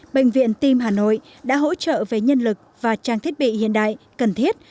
bệnh viện tiêm hà nội đã hỗ trợ với nhân lực và trang thiết bị hiện đại cần thiết